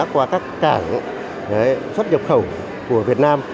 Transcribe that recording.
qua các cảng xuất nhập khẩu của việt nam